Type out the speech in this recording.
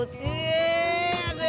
aku yang kangen